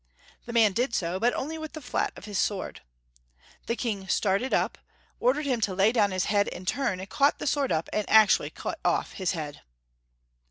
The man did so, but only with the flat of the sword. The King started up, ordered him to lay down liis head in his turn, caught the sword up, and actually cut off his head